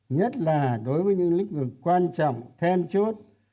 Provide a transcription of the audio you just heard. nhất là đối với những lĩnh vực quan trọng thêm chút